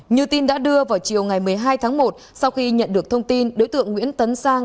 như tin đã đưa vào chiều ngày một mươi hai tháng một sau khi nhận được thông tin đối tượng nguyễn tấn sang